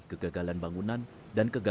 kegagalan bangunan dan kegagalan